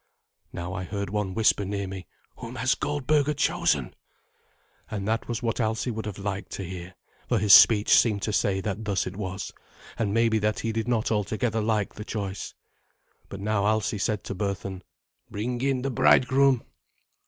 Now I heard one whisper near me, "Whom has Goldberga chosen?" And that was what Alsi would have liked to hear, for his speech seemed to say that thus it was, and maybe that he did not altogether like the choice. But now Alsi said to Berthun, "Bring in the bridegroom."